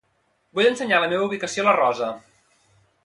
Vull ensenyar la meva ubicació a la Rosa.